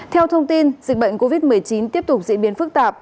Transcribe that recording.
theo thông tin dịch bệnh covid một mươi chín tiếp tục diễn biến phức tạp